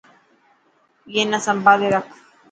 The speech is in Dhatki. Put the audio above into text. ائي نا سمڀالي رک.